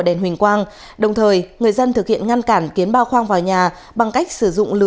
đèn huỳnh quang đồng thời người dân thực hiện ngăn cản kiến ba khoang vào nhà bằng cách sử dụng